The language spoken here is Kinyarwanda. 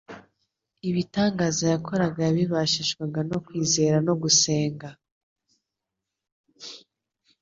ibitangaza yakoraga yabibashishwaga no kwizera no gusenga.